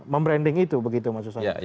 membranding itu begitu maksud